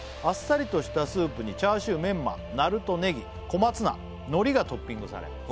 「あっさりとしたスープにチャーシューメンマなるとネギ」「小松菜のりがトッピングされ」